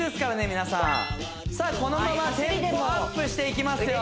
皆さんこのままテンポアップしていきますよ